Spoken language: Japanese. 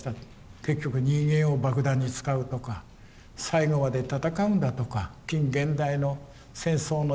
結局人間を爆弾に使うとか最後まで戦うんだとか近現代の戦争の約束